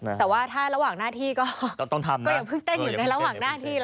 แต่ว่าถ้าระหว่างหน้าที่ก็อย่าพึ่งกันอยู่ในระหว่างหน้าที่